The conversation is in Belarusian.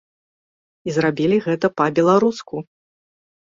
І зрабілі гэта па-беларуску.